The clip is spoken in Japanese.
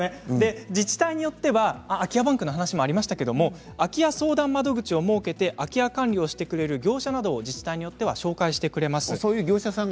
自治体によっては空き家バンクの話もありましたが空き家相談窓口を設けて空き家管理をしてくれる業者などを紹介してくれます。